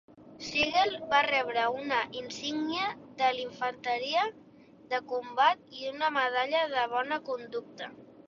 Siegel va rebre una insígnia de l"infanteria de combat i una medalla de bona conducta.